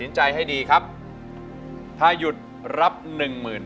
ไปยักษ์นานอย่างเดียวไปยักษ์นานอย่างเดียว